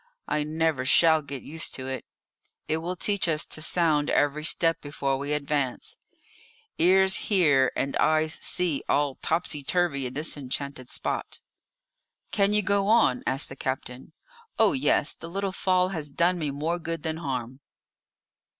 I never shall get used to it. It will teach us to sound every step before we advance. Ears hear and eyes see all topsy turvy in this enchanted spot." "Can you go on?" asked the captain. "Oh, yes; the little fall has done me more good than harm."